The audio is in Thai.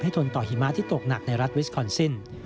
ทนต่อหิมะที่ตกหนักในรัฐวิสคอนซิน